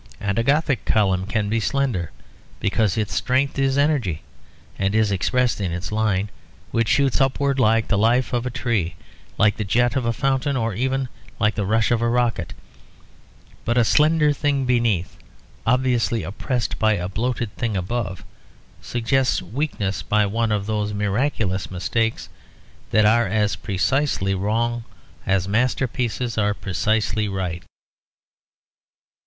And a Gothic column can be slender, because its strength is energy; and is expressed in its line, which shoots upwards like the life of a tree, like the jet of a fountain or even like the rush of a rocket. But a slender thing beneath, obviously oppressed by a bloated thing above, suggests weakness by one of those miraculous mistakes that are as precisely wrong as masterpieces are precisely right.